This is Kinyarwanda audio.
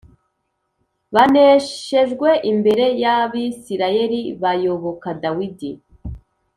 baneshejwe imbere y’Abisirayeli bayoboka Dawidi